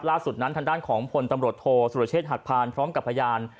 ล่าสุดนั้นทางด้านของพลตำรวจโทษสุรเชษฐหักพานพร้อมกับพยาน